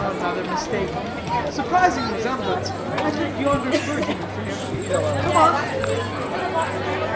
"Another mistake. Surprising resemblance. I took yonder clergyman for him. Come on!"